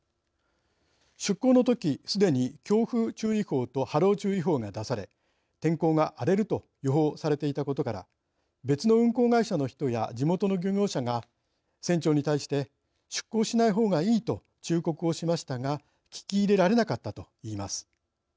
出港のとき、すでに強風注意報と波浪注意報が出され天候が荒れると予報されていたことから別の運航会社の人や地元の漁業者が、船長に対して出港しないほうがいいと忠告をしましたが聞き入れられなかったと言います。